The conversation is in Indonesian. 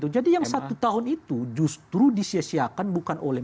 jadi yang satu tahun itu justru diselesaikan bukan oleh